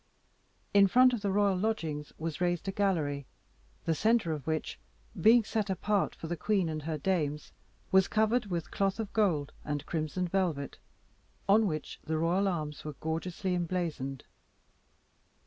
In front of the royal lodgings was raised a gallery, the centre of which, being set apart for the queen and her dames, was covered with cloth of gold and crimson velvet, on which the royal arms were gorgeously emblazoned.